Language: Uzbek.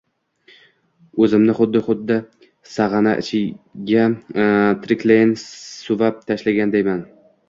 O`zimni xuddi xuddi sag`ana ichiga tiriklayin suvab tashlagandayman